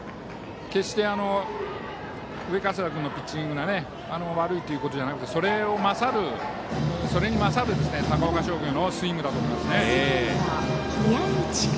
決して上加世田君のピッチングが悪いということではなくてそれに勝る高岡商業のスイングだと思います。